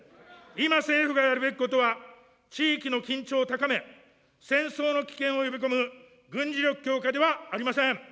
今政府がやるべきことは、地域の緊張を高め、戦争の危険を呼び込む軍事力強化ではありません。